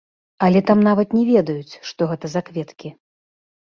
Але там нават не ведаюць, што гэта за кветкі.